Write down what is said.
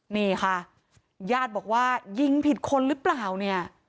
นี่ค่ะญาติบอกว่ายิงผิดคนหรือเปล่าเนี่ย